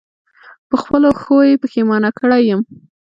په خپلو ښو یې پښېمانه کړی یم.